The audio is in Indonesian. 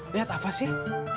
lihat apa sih